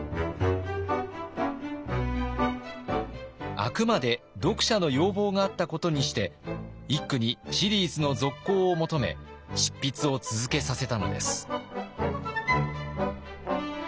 あくまで読者の要望があったことにして一九にシリーズの続行を求め執筆を続けさせたのです。